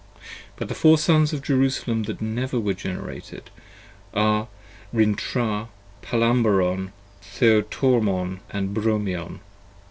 50 But the Four Sons of Jerusalem that never were Generated Are Rintrah and Palamabron and Theotormon and Bromion.